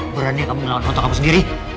berani kamu ngelawan kontak kamu sendiri